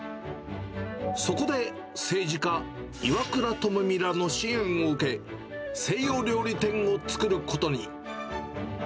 そこで、政治家、岩倉具視らの支援を受け、西洋料理店を作ることに。